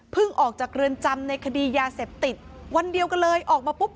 ออกจากเรือนจำในคดียาเสพติดวันเดียวกันเลยออกมาปุ๊บ